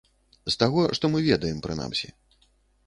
З таго, што мы ведаем, прынамсі.